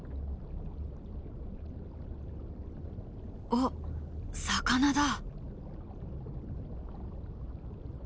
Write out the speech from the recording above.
「おっ魚だ！」。